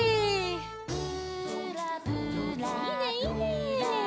いいねいいね。